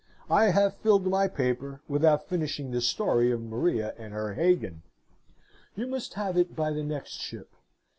I have filled my paper, without finishing the story of Maria and her Hagan. You must have it by the next ship.